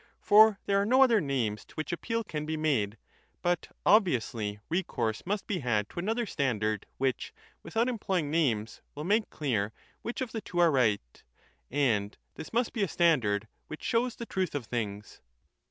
For there are no other names to which appeal can be made, but obviously recourse must be had to another standard which, without employing names, will make clear which of the two are right ; and this must be a standard which shows the truth of things.